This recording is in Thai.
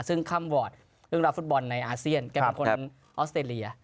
ซึ่งค่ำวอร์ดเรื่องราวฟุตบอลในอาเซียนแกเป็นคนออสเตรเลีย